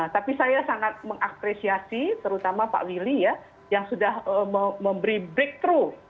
tapi saya sangat mengapresiasi terutama pak willy ya yang sudah memberi breakthrough